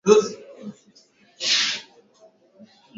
Afrika kusini ya Sahara wala Ulaya ya Kaskazini